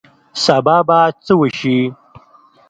سبا به څه وشي